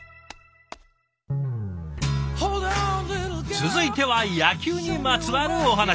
続いては野球にまつわるお話。